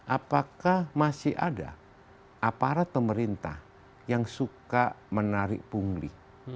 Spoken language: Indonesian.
apakah masih ada aparat pemerintah yang suka menarik pungli